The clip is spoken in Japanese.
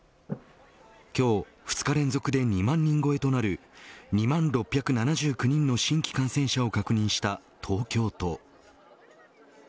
今日２日連続で２万人超えとなる２万６７９人の新規感染者を確認した東京都。